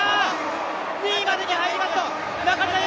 ２位までに入りますと中島佑